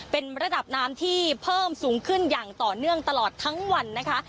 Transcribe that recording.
เป็นระดับน้ำที่เพิ่มสูงขึ้นอย่างต่อเนื่องตลอดทั้งวันนะคะ